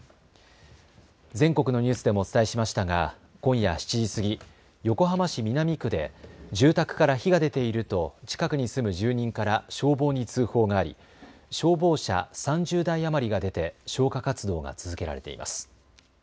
全国のニュースでもお伝えしましたが今夜７時過ぎ横浜市南区で住宅から火が出ていると近くに住む住人から消防に通報があり消防車３０台余りが出て消火活動が続けられています。